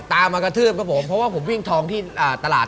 ตามมากระทืบครับผมเพราะว่าผมวิ่งทองที่ตลาด